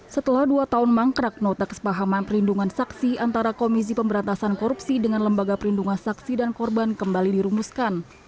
setelah dua tahun mangkrak nota kesepahaman perlindungan saksi antara komisi pemberantasan korupsi dengan lembaga perlindungan saksi dan korban kembali dirumuskan